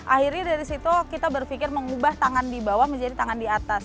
akhirnya dari situ kita berpikir mengubah tangan di bawah menjadi tangan di atas